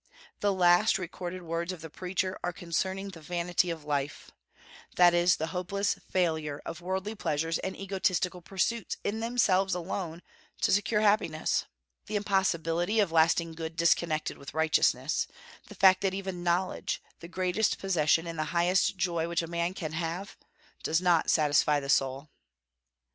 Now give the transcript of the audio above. The last recorded words of the preacher are concerning the vanity of life, that is, the hopeless failure of worldly pleasures and egotistical pursuits in themselves alone to secure happiness; the impossibility of lasting good disconnected with righteousness; the fact that even knowledge, the greatest possession and the highest joy which a man can have, does not satisfy the soul.